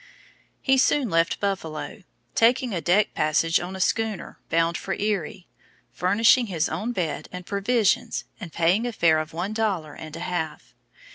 He soon left Buffalo, taking a deck passage on a schooner bound for Erie, furnishing his own bed and provisions and paying a fare of one dollar and a half.